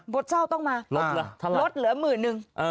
เช่าต้องมาลดเหลือหมื่นนึง